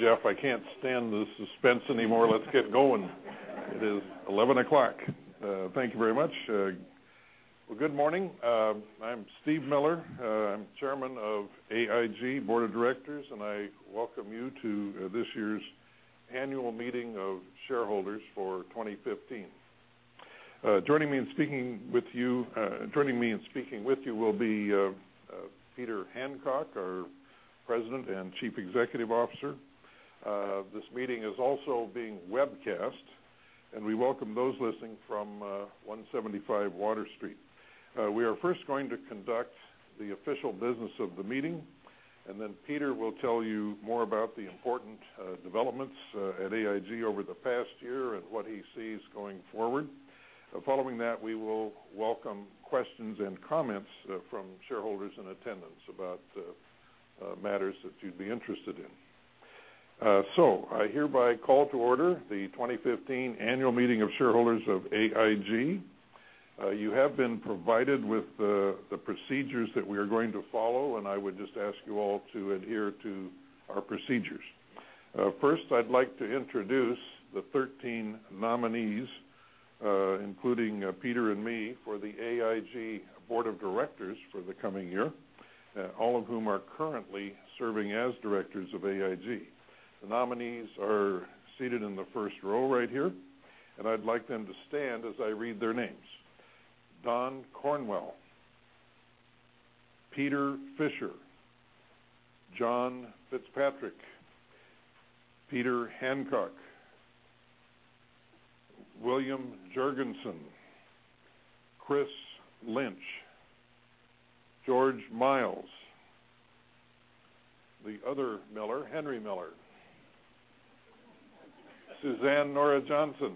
Jeff, I can't stand the suspense anymore. Let's get going. It is 11:00 A.M. Thank you very much. Well, good morning. I'm Steve Miller. I'm Chairman of AIG's Board of Directors, and I welcome you to this year's annual meeting of shareholders for 2015. Joining me and speaking with you will be Peter Hancock, our President and Chief Executive Officer. This meeting is also being webcast, and we welcome those listening from 175 Water Street. We are first going to conduct the official business of the meeting. Then Peter will tell you more about the important developments at AIG over the past year and what he sees going forward. Following that, we will welcome questions and comments from shareholders in attendance about matters that you'd be interested in. I hereby call to order the 2015 annual meeting of shareholders of AIG. You have been provided with the procedures that we are going to follow. I would just ask you all to adhere to our procedures. First, I'd like to introduce the 13 nominees, including Peter and me, for AIG's Board of Directors for the coming year, all of whom are currently serving as Directors of AIG. The nominees are seated in the first row right here. I'd like them to stand as I read their names. Don Cornwell, Peter Fisher, John Fitzpatrick, Peter Hancock, William Jurgensen, Chris Lynch, George Miles. The other Miller, Henry Miller. Suzanne Nora Johnson,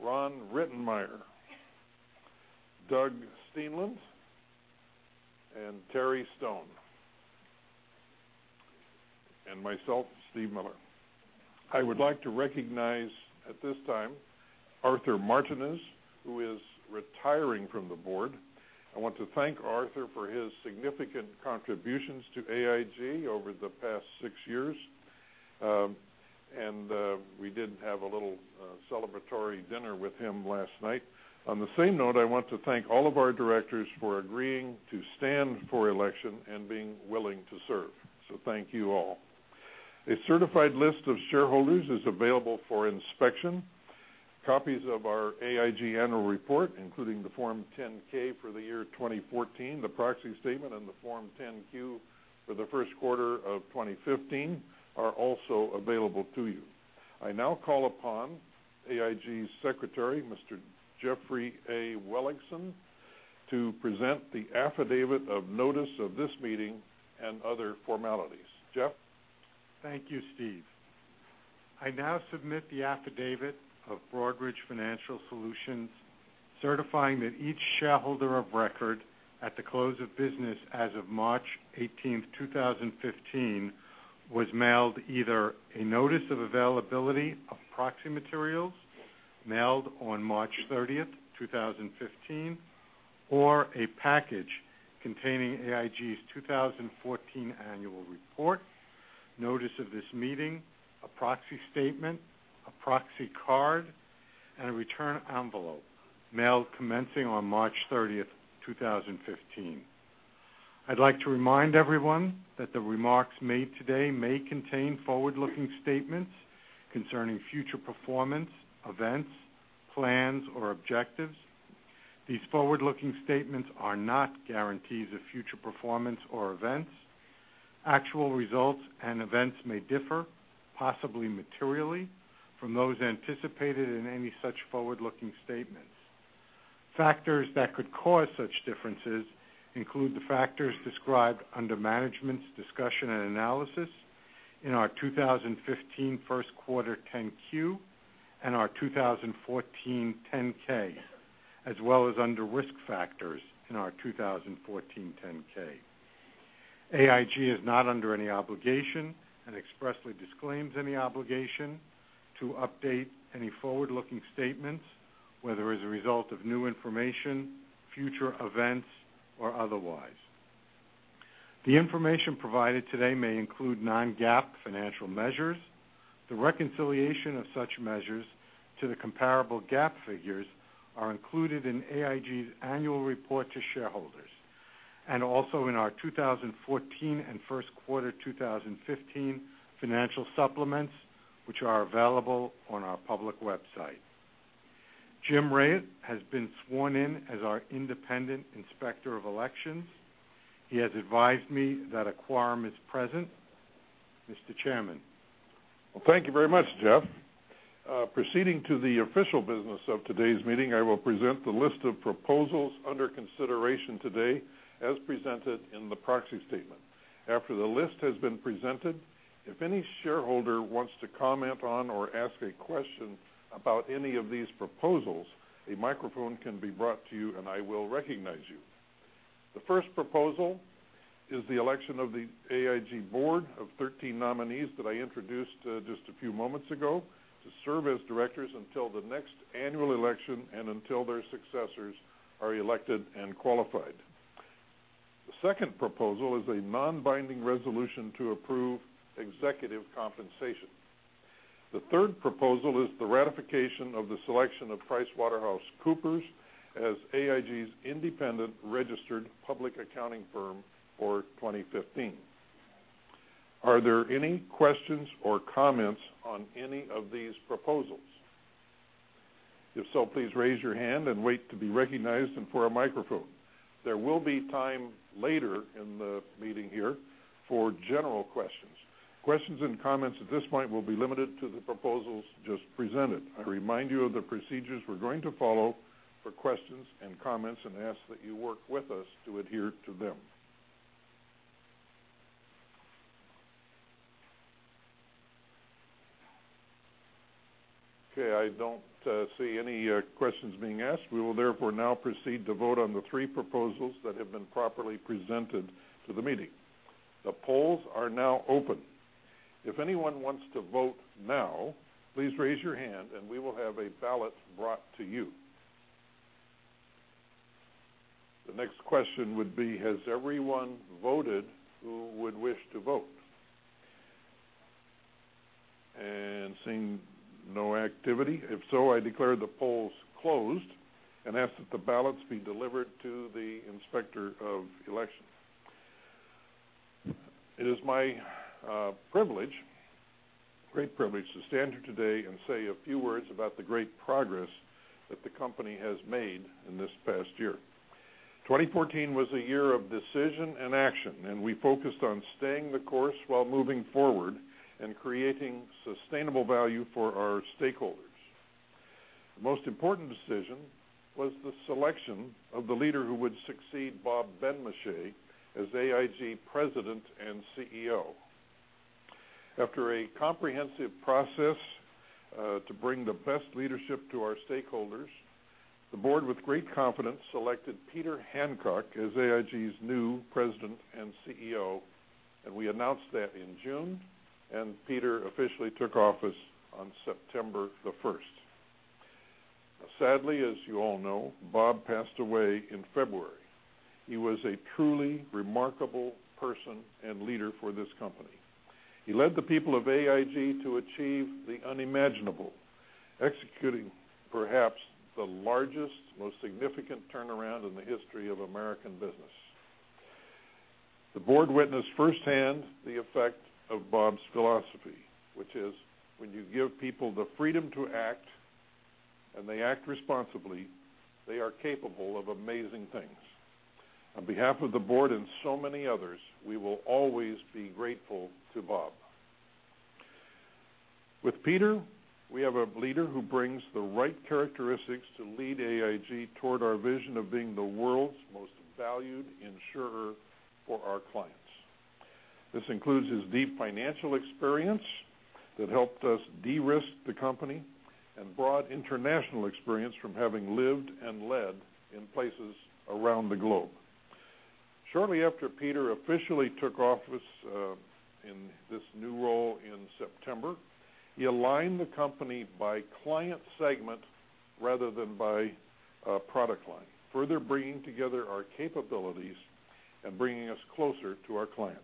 Ron Rittenmeyer, Doug Steenland, and Terry Stone. Myself, Steve Miller. I would like to recognize at this time Arthur Martinez, who is retiring from the Board. I want to thank Arthur for his significant contributions to AIG over the past six years. We did have a little celebratory dinner with him last night. On the same note, I want to thank all of our Directors for agreeing to stand for election and being willing to serve. Thank you all. A certified list of shareholders is available for inspection. Copies of our AIG Annual Report, including the Form 10-K for the year 2014, the proxy statement, and the Form 10-Q for the first quarter of 2015, are also available to you. I now call upon AIG's Secretary, Mr. Jeffrey A. Wellingham, to present the affidavit of notice of this meeting and other formalities. Jeff? Thank you, Steve. I now submit the affidavit of Broadridge Financial Solutions, certifying that each shareholder of record at the close of business as of March 18, 2015, was mailed either a notice of availability of proxy materials mailed on March 30, 2015, or a package containing AIG's 2014 Annual Report, notice of this meeting, a proxy statement, a proxy card, and a return envelope mailed commencing on March 30, 2015. I'd like to remind everyone that the remarks made today may contain forward-looking statements concerning future performance, events, plans, or objectives. These forward-looking statements are not guarantees of future performance or events. Actual results and events may differ, possibly materially, from those anticipated in any such forward-looking statements. Factors that could cause such differences include the factors described under Management's Discussion and Analysis in our 2015 first quarter 10-Q and our 2014 10-K, as well as under Risk Factors in our 2014 10-K. AIG is not under any obligation, and expressly disclaims any obligation to update any forward-looking statements, whether as a result of new information, future events, or otherwise. The information provided today may include non-GAAP financial measures. The reconciliation of such measures to the comparable GAAP figures are included in AIG's annual report to shareholders, and also in our 2014 and first quarter 2015 financial supplements, which are available on our public website. Jim Rheard has been sworn in as our independent inspector of elections. He has advised me that a quorum is present. Mr. Chairman? Well, thank you very much, Jeff. Proceeding to the official business of today's meeting, I will present the list of proposals under consideration today as presented in the proxy statement. After the list has been presented, if any shareholder wants to comment on or ask a question about any of these proposals, a microphone can be brought to you, and I will recognize you. The first proposal is the election of the AIG Board of 13 nominees that I introduced just a few moments ago to serve as directors until the next annual election and until their successors are elected and qualified. The second proposal is a non-binding resolution to approve executive compensation. The third proposal is the ratification of the selection of PricewaterhouseCoopers as AIG's independent registered public accounting firm for 2015. Are there any questions or comments on any of these proposals? If so, please raise your hand and wait to be recognized and for a microphone. There will be time later in the meeting here for general questions. Questions and comments at this point will be limited to the proposals just presented. I remind you of the procedures we're going to follow for questions and comments and ask that you work with us to adhere to them. Okay, I don't see any questions being asked. We will therefore now proceed to vote on the three proposals that have been properly presented to the meeting. The polls are now open. If anyone wants to vote now, please raise your hand and we will have a ballot brought to you. The next question would be, has everyone voted who would wish to vote? Seeing no activity. If so, I declare the polls closed and ask that the ballots be delivered to the Inspector of Election. It is my privilege, great privilege, to stand here today and say a few words about the great progress that the company has made in this past year. 2014 was a year of decision and action, and we focused on staying the course while moving forward and creating sustainable value for our stakeholders. The most important decision was the selection of the leader who would succeed Bob Benmosche as AIG President and CEO. After a comprehensive process to bring the best leadership to our stakeholders, the board, with great confidence, selected Peter Hancock as AIG's new President and CEO, and we announced that in June, and Peter officially took office on September the 1st. Sadly, as you all know, Bob passed away in February. He was a truly remarkable person and leader for this company. He led the people of AIG to achieve the unimaginable, executing perhaps the largest, most significant turnaround in the history of American business. The board witnessed firsthand the effect of Bob's philosophy, which is when you give people the freedom to act and they act responsibly, they are capable of amazing things. On behalf of the board and so many others, we will always be grateful to Bob. With Peter, we have a leader who brings the right characteristics to lead AIG toward our vision of being the world's most valued insurer for our clients. This includes his deep financial experience that helped us de-risk the company and broad international experience from having lived and led in places around the globe. Shortly after Peter officially took office in this new role in September, he aligned the company by client segment rather than by product line, further bringing together our capabilities and bringing us closer to our clients.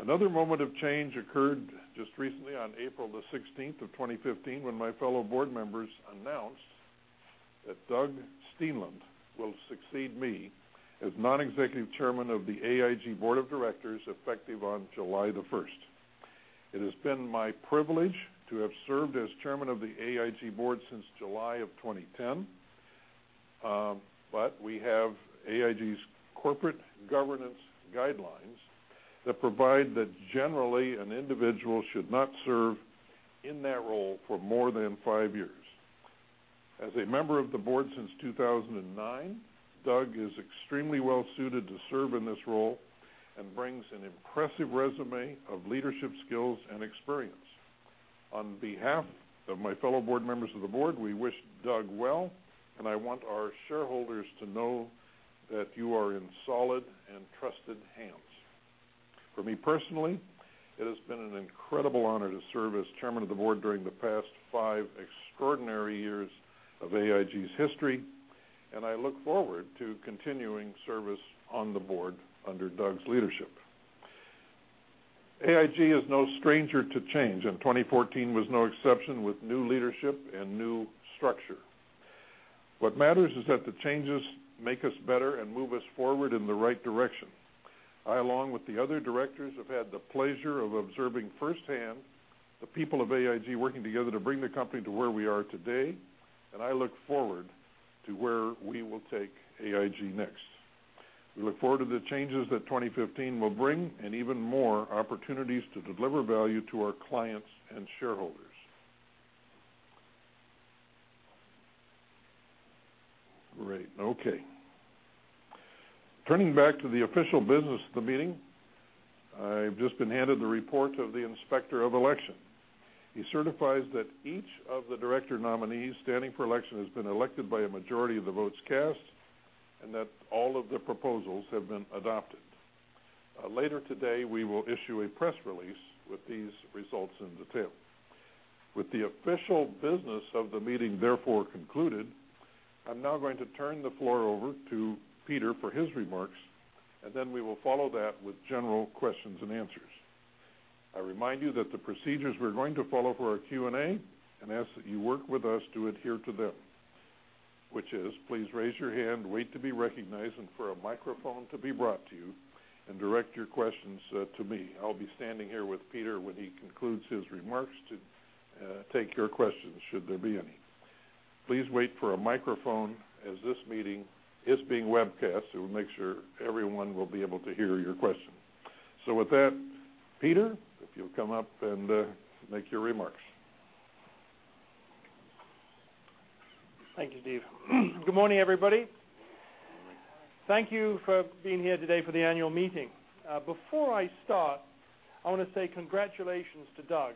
Another moment of change occurred just recently on April the 16th of 2015, when my fellow board members announced that Doug Steenland will succeed me as non-executive Chairman of the AIG Board of Directors effective on July the 1st. It has been my privilege to have served as chairman of the AIG board since July of 2010. We have AIG's corporate governance guidelines that provide that generally an individual should not serve in that role for more than five years. As a member of the board since 2009, Doug is extremely well suited to serve in this role and brings an impressive resume of leadership skills and experience. On behalf of my fellow board members of the board, we wish Doug well, and I want our shareholders to know that you are in solid and trusted hands. For me personally, it has been an incredible honor to serve as chairman of the board during the past five extraordinary years of AIG's history, and I look forward to continuing service on the board under Doug's leadership. AIG is no stranger to change, and 2014 was no exception with new leadership and new structure. What matters is that the changes make us better and move us forward in the right direction. I, along with the other directors, have had the pleasure of observing firsthand the people of AIG working together to bring the company to where we are today, and I look forward to where we will take AIG next. We look forward to the changes that 2015 will bring and even more opportunities to deliver value to our clients and shareholders. Great. Okay. Turning back to the official business of the meeting, I've just been handed the report of the Inspector of Election. He certifies that each of the director nominees standing for election has been elected by a majority of the votes cast, and that all of the proposals have been adopted. Later today, we will issue a press release with these results in detail. With the official business of the meeting therefore concluded, I'm now going to turn the floor over to Peter for his remarks, and then we will follow that with general questions and answers. I remind you that the procedures we're going to follow for our Q&A, and ask that you work with us to adhere to them, which is please raise your hand, wait to be recognized and for a microphone to be brought to you, and direct your questions to me. I'll be standing here with Peter when he concludes his remarks to take your questions, should there be any. Please wait for a microphone as this meeting is being webcast. It will make sure everyone will be able to hear your question. With that, Peter, if you'll come up and make your remarks. Thank you, Steve. Good morning, everybody. Good morning. Thank you for being here today for the annual meeting. Before I start, I want to say congratulations to Doug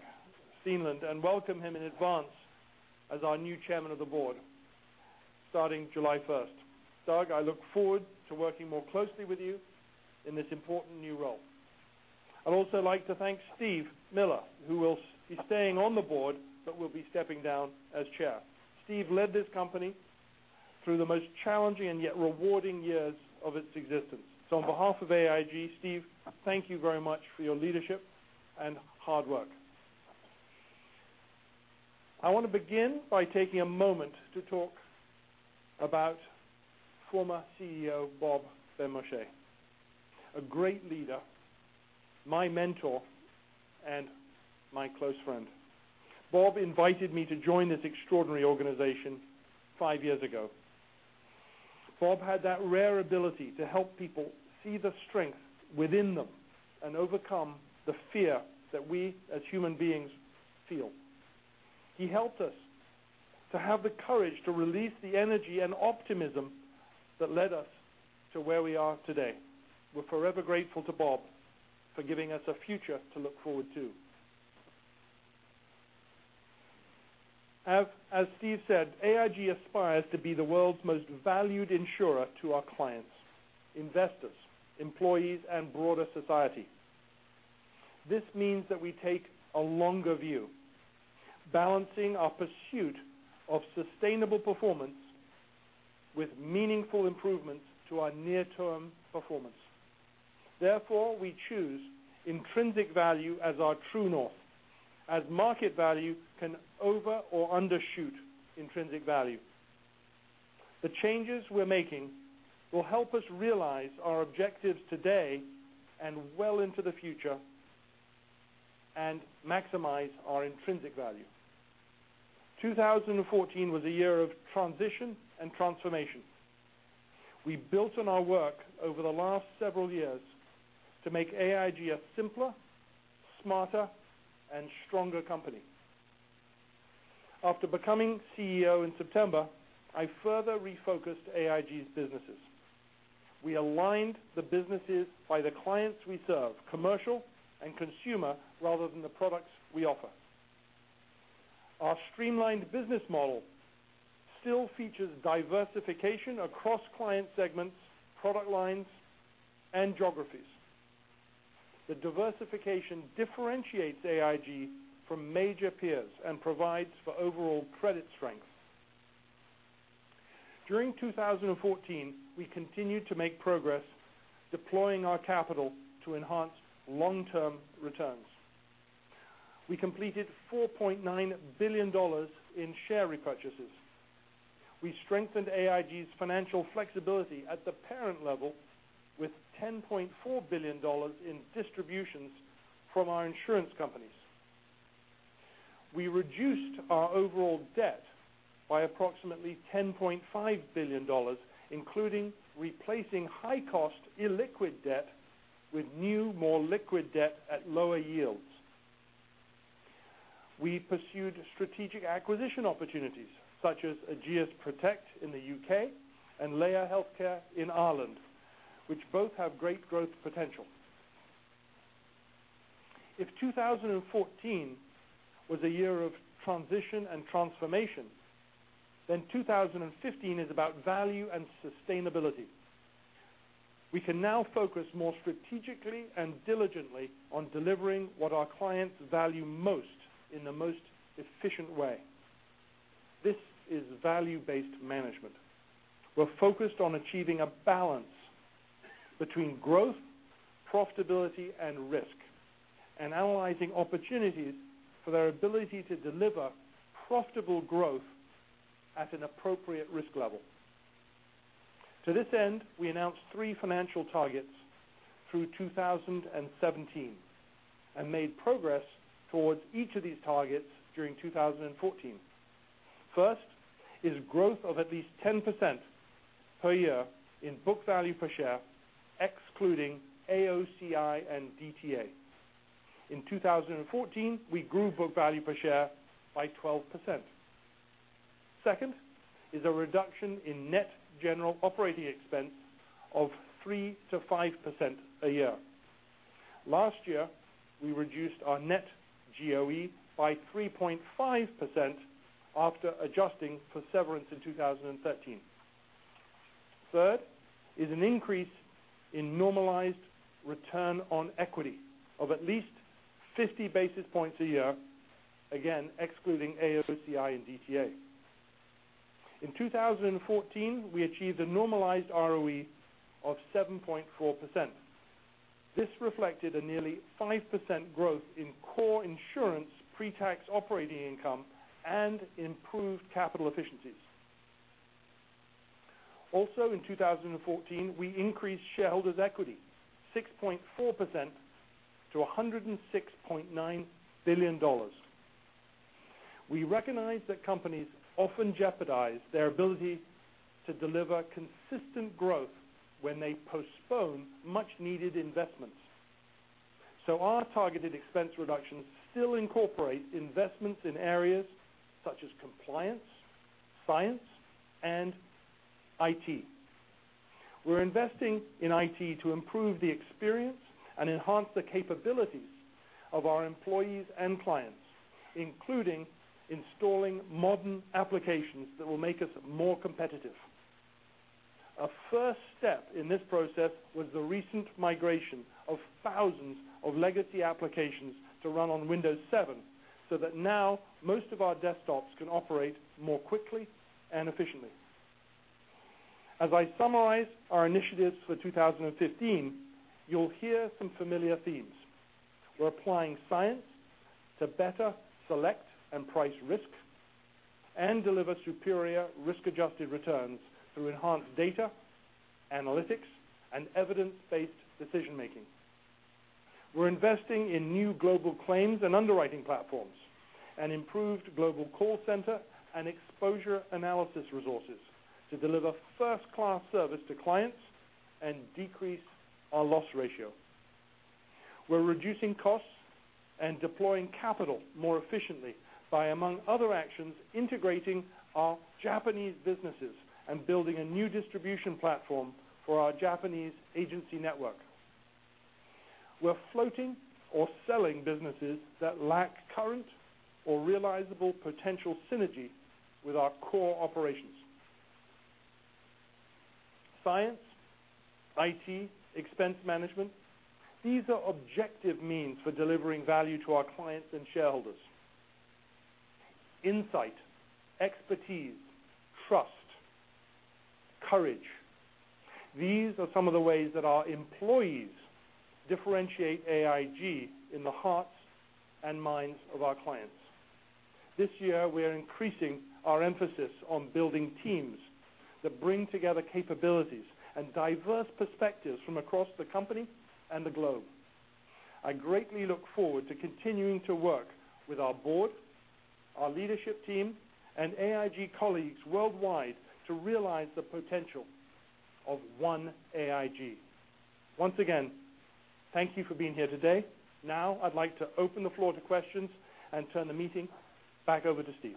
Steenland and welcome him in advance as our new Chairman of the Board starting July 1st. Doug, I look forward to working more closely with you in this important new role. I'd also like to thank Steve Miller, who will be staying on the Board but will be stepping down as Chair. Steve led this company through the most challenging and yet rewarding years of its existence. On behalf of AIG, Steve, thank you very much for your leadership and hard work. I want to begin by taking a moment to talk about former CEO Bob Benmosche, a great leader, my mentor, and my close friend. Bob invited me to join this extraordinary organization five years ago. Bob had that rare ability to help people see the strength within them and overcome the fear that we, as human beings, feel. He helped us to have the courage to release the energy and optimism that led us to where we are today. We're forever grateful to Bob for giving us a future to look forward to. As Steve said, AIG aspires to be the world's most valued insurer to our clients, investors, employees, and broader society. This means that we take a longer view, balancing our pursuit of sustainable performance with meaningful improvements to our near-term performance. We choose intrinsic value as our true north, as market value can over or undershoot intrinsic value. The changes we're making will help us realize our objectives today and well into the future and maximize our intrinsic value. 2014 was a year of transition and transformation. We built on our work over the last several years to make AIG a simpler, smarter, and stronger company. After becoming CEO in September, I further refocused AIG's businesses. We aligned the businesses by the clients we serve, commercial and consumer, rather than the products we offer. Our streamlined business model still features diversification across client segments, product lines, and geographies. The diversification differentiates AIG from major peers and provides for overall credit strength. During 2014, we continued to make progress deploying our capital to enhance long-term returns. We completed $4.9 billion in share repurchases. We strengthened AIG's financial flexibility at the parent level with $10.4 billion in distributions from our insurance companies. We reduced our overall debt by approximately $10.5 billion, including replacing high-cost illiquid debt with new, more liquid debt at lower yields. We pursued strategic acquisition opportunities, such as Ageas Protect in the U.K. and Laya Healthcare in Ireland, which both have great growth potential. If 2014 was a year of transition and transformation, 2015 is about value and sustainability. We can now focus more strategically and diligently on delivering what our clients value most in the most efficient way. This is value-based management. We're focused on achieving a balance between growth, profitability, and risk, and analyzing opportunities for their ability to deliver profitable growth at an appropriate risk level. To this end, we announced three financial targets through 2017 and made progress towards each of these targets during 2014. First is growth of at least 10% per year in book value per share, excluding AOCI and DTA. In 2014, we grew book value per share by 12%. Second is a reduction in net general operating expense of 3%-5% a year. Last year, we reduced our net GOE by 3.5% after adjusting for severance in 2013. Third is an increase in normalized return on equity of at least 50 basis points a year, again, excluding AOCI and DTA. In 2014, we achieved a normalized ROE of 7.4%. This reflected a nearly 5% growth in core insurance pretax operating income and improved capital efficiencies. Also, in 2014, we increased shareholders' equity 6.4% to $106.9 billion. We recognize that companies often jeopardize their ability to deliver consistent growth when they postpone much needed investments. Our targeted expense reduction still incorporates investments in areas such as compliance, science, and IT. We're investing in IT to improve the experience and enhance the capabilities of our employees and clients, including installing modern applications that will make us more competitive. Our first step in this process was the recent migration of thousands of legacy applications to run on Windows 7, so that now most of our desktops can operate more quickly and efficiently. As I summarize our initiatives for 2015, you'll hear some familiar themes. We're applying science to better select and price risk and deliver superior risk-adjusted returns through enhanced data, analytics, and evidence-based decision-making. We're investing in new global claims and underwriting platforms and improved global call center and exposure analysis resources to deliver first-class service to clients and decrease our loss ratio. We're reducing costs and deploying capital more efficiently by, among other actions, integrating our Japanese businesses and building a new distribution platform for our Japanese agency network. We're floating or selling businesses that lack current or realizable potential synergy with our core operations. Science, IT, expense management. These are objective means for delivering value to our clients and shareholders. Insight, expertise, trust, courage. These are some of the ways that our employees differentiate AIG in the hearts and minds of our clients. This year, we are increasing our emphasis on building teams that bring together capabilities and diverse perspectives from across the company and the globe. I greatly look forward to continuing to work with our board, our leadership team, and AIG colleagues worldwide to realize the potential of one AIG. Once again, thank you for being here today. I'd like to open the floor to questions and turn the meeting back over to Steve.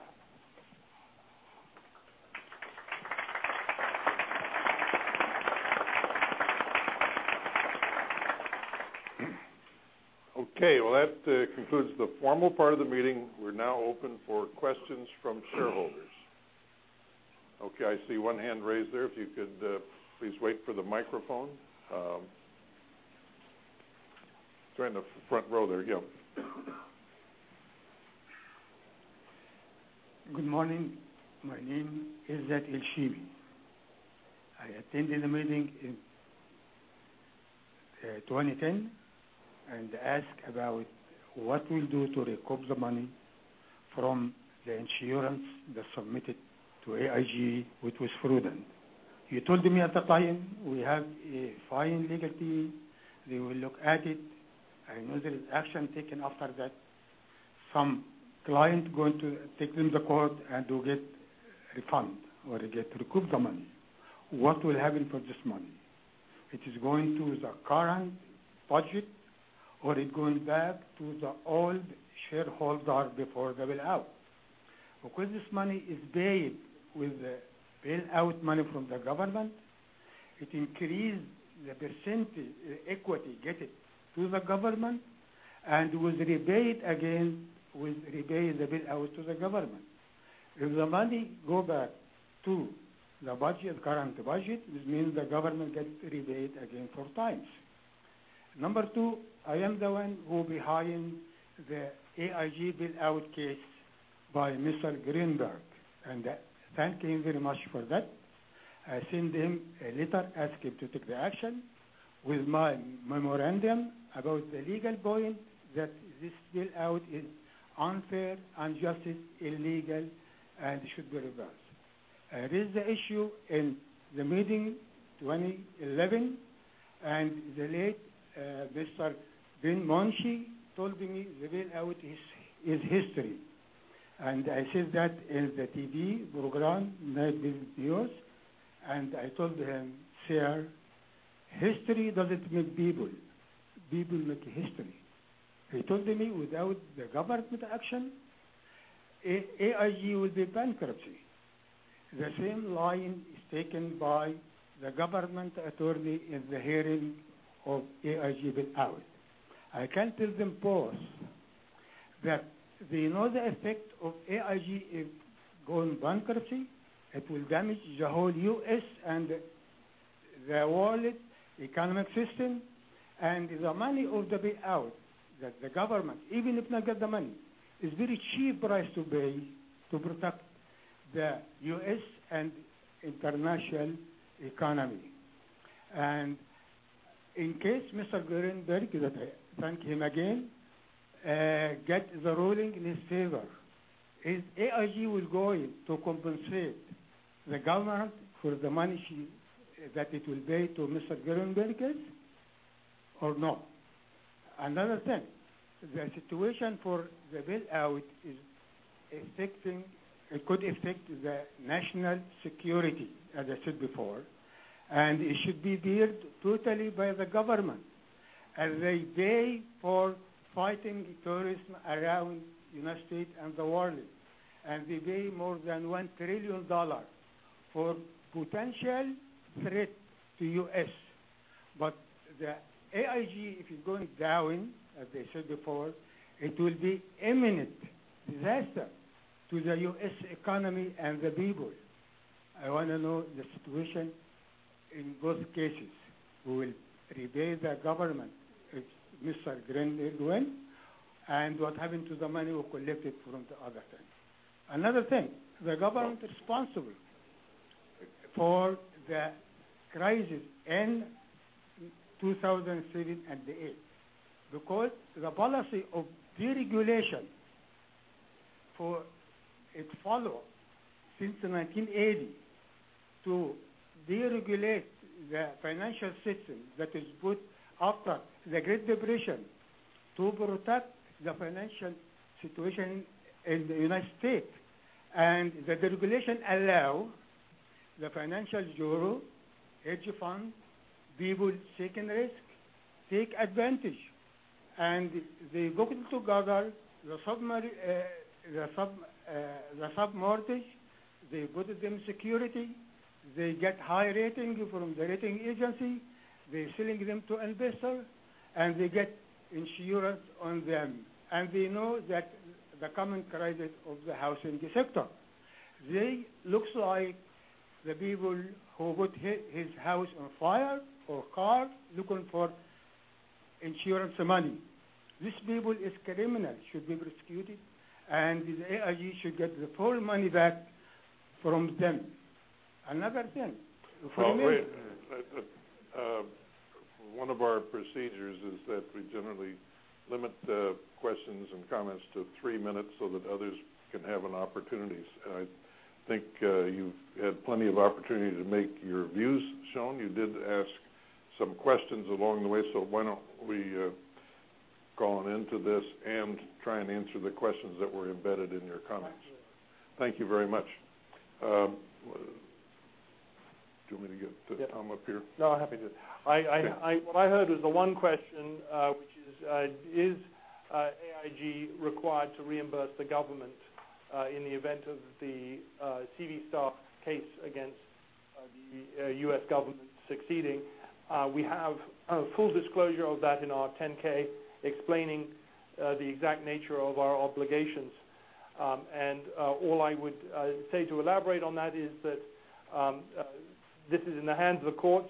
Okay, well, that concludes the formal part of the meeting. We're now open for questions from shareholders. Okay, I see one hand raised there. If you could please wait for the microphone. It's right in the front row there. Yeah. Good morning. My name is Zach El Shimi. I attended the meeting in 2010 and asked about what we'll do to recoup the money from the insurance that submitted to AIG, which was fraudulent. You told me at the time we have a fine legal team. They will look at it, and there was action taken after that. Some client going to take them to court and will get refund or to get to recoup the money. What will happen for this money? It is going to the current budget, or it going back to the old shareholder before they bailout? Because this money is paid with the bailout money from the government. It increased the percentage equity, get it to the government and will rebate again with rebate the bailout to the government. If the money go back to the current budget, this means the government gets rebate again four times. Number two, I am the one who behind the AIG bailout case by Mr. Greenberg, and thank him very much for that. I send him a letter asking to take the action with my memorandum about the legal point that this bailout is unfair, unjust, illegal and should be reversed. I raise the issue in the meeting 2011 and the late Mr. Benmosche told me the bailout is history. I said that in the TV program, Nightly News, and I told him, "Sir, history doesn't make people make history." He told me without the government action, AIG would be bankruptcy. The same line is taken by the government attorney in the hearing of AIG bailout. I can tell them pause, that they know the effect of AIG going bankruptcy. It will damage the whole U.S. and the world economic system. The money of the bailout that the government, even if not get the money, is very cheap price to pay to protect the U.S. and international economy. In case Mr. Greenberg, that I thank him again, get the ruling in his favor, is AIG will going to compensate the government for the money that it will pay to Mr. Greenberg, or not? Another thing, the situation for the bailout could affect the national security, as I said before, and it should be dealt totally by the government as they pay for fighting terrorism around United States and the world. They pay more than $1 trillion for potential threat to U.S. The AIG, if it's going down, as I said before, it will be imminent disaster to the U.S. economy and the people. I want to know the situation in both cases. Who will repay the government if Mr. Greenberg did well, and what happen to the money we collected from the other side? Another thing, the government responsible for the crisis in 2007 and the 2008, because the policy of deregulation for it follow since the 1980, to deregulate the financial system that is put after the Great Depression to protect the financial situation in the United States. The deregulation allow the financial guru, hedge fund, people taking risk, take advantage. They got together the subprime mortgage. They put them security. They get high rating from the rating agency. They're selling them to investor, and they get insurance on them. They know that the coming crisis of the housing sector. They looks like the people who put his house on fire or car looking for insurance money. These people is criminal, should be prosecuted, the AIG should get the full money back from them. Another thing for me- Well, wait. One of our procedures is that we generally limit the questions and comments to three minutes so that others can have an opportunity. I think you've had plenty of opportunity to make your views shown. Why don't we go on into this and try and answer the questions that were embedded in your comments. Thank you. Thank you very much. Do you want me to get Tom up here? No, I'm happy to. What I heard was the one question, which is AIG required to reimburse the government in the event of the Starr case against the U.S. government succeeding? We have a full disclosure of that in our 10-K explaining the exact nature of our obligations. All I would say to elaborate on that is that this is in the hands of the courts.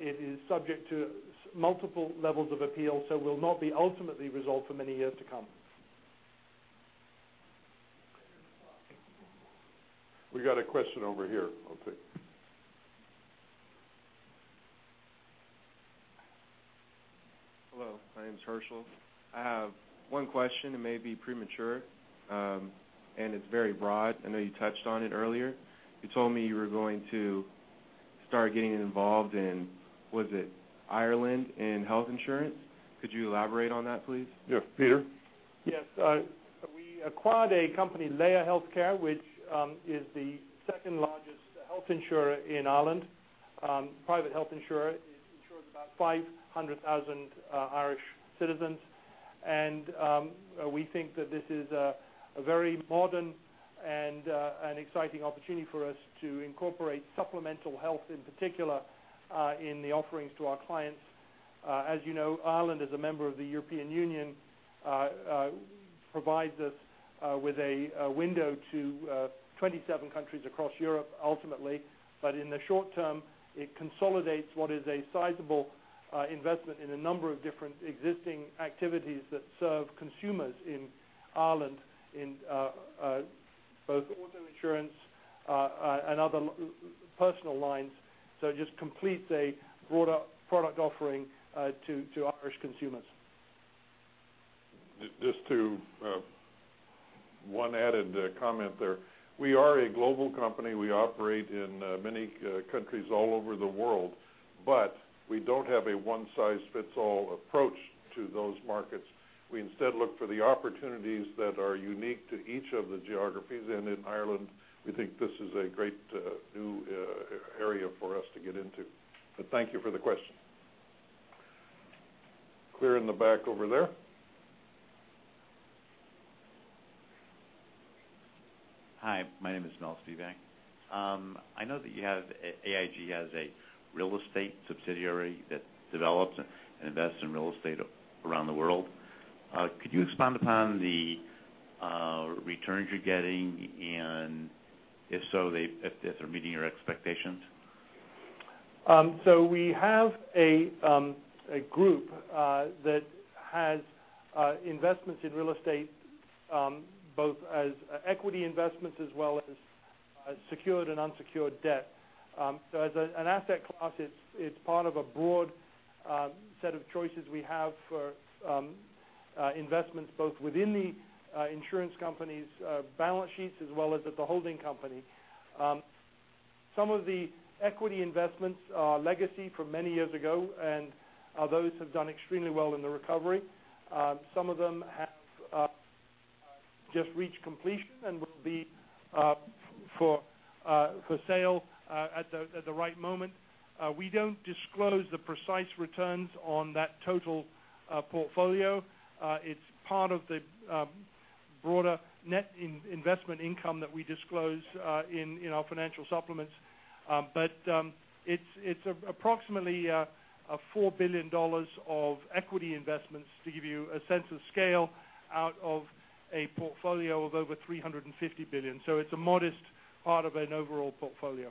It is subject to multiple levels of appeal, will not be ultimately resolved for many years to come. We got a question over here. I'll take. Hello, my name's Herschel. I have one question. It may be premature. It's very broad. I know you touched on it earlier. You told me you were going to start getting involved in, was it Ireland in health insurance? Could you elaborate on that, please? Yeah. Peter? Yes. We acquired a company, Laya Healthcare, which is the second largest health insurer in Ireland. Private health insurer. It insures about 500,000 Irish citizens. We think that this is a very modern and an exciting opportunity for us to incorporate supplemental health, in particular, in the offerings to our clients. As you know, Ireland is a member of the European Union, provides us with a window to 27 countries across Europe, ultimately. In the short term, it consolidates what is a sizable investment in a number of different existing activities that serve consumers in Ireland in both auto insurance and other personal lines. It just completes a broader product offering to Irish consumers. Just one added comment there. We are a global company. We operate in many countries all over the world, but we don't have a one-size-fits-all approach to those markets. We instead look for the opportunities that are unique to each of the geographies. In Ireland, we think this is a great new area for us to get into. Thank you for the question. Clear in the back over there. Hi, my name is Mel Steebank. I know that AIG has a real estate subsidiary that develops and invests in real estate around the world. Could you expand upon the returns you're getting and if so, if they're meeting your expectations? We have a group that has investments in real estate both as equity investments as well as secured and unsecured debt. As an asset class, it's part of a broad set of choices we have for investments both within the insurance company's balance sheets as well as at the holding company. Some of the equity investments are legacy from many years ago, and those have done extremely well in the recovery. Some of them have just reached completion and will be for sale at the right moment. We don't disclose the precise returns on that total portfolio. It's part of the broader net investment income that we disclose in our financial supplements. It's approximately $4 billion of equity investments, to give you a sense of scale, out of a portfolio of over $350 billion. It's a modest part of an overall portfolio.